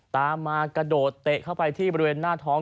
ตามมากระโดดเตะเข้าไปที่บริเวณหน้าท้อง